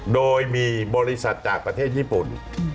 โดยมีบริษัทจากประเทศญี่ปุ่น